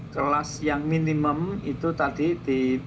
kelas yang minimum itu tadi di